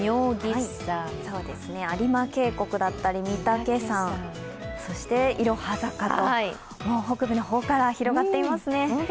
有間渓谷だったり御岳山、そしていろは坂と北部の方から広がっていますね。